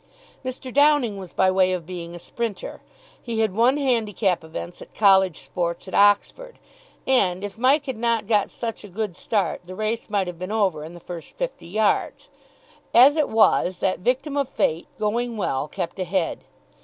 Mr. Downing was by way of being a sprinter. He had won handicap events at College sports at Oxford, and, if Mike had not got such a good start, the race might have been over in the first fifty yards. As it was, that victim of Fate, going well, kept ahead.